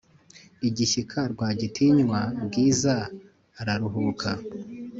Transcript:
igishyika rwagitinywa bwizaararuhuka